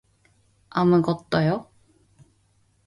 아무것도요?